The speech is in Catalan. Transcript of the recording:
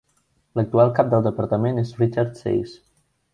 L'actual cap del departament és Richard Sais.